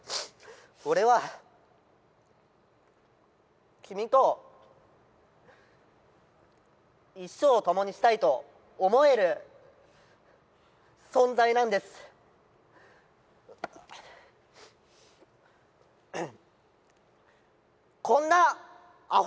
俺は君と一生を共にしたいと思える存在なんです結婚あれっ？えっ？